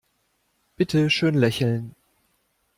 Bitte schön lächeln.